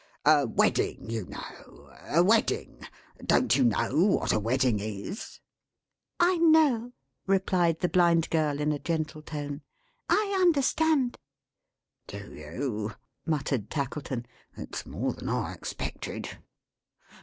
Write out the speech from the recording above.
A wedding, you know; a wedding. Don't you know what a wedding is?" "I know," replied the Blind Girl, in a gentle tone. "I understand!" "Do you?" muttered Tackleton. "It's more than I expected.